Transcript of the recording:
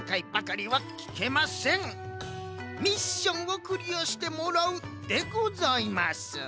ミッションをクリアしてもらうでございます。